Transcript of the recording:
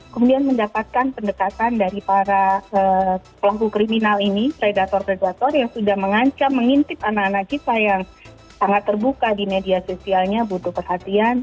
kemudian mendapatkan pendekatan dari para pelaku kriminal ini predator predator yang sudah mengancam mengintip anak anak kita yang sangat terbuka di media sosialnya butuh perhatian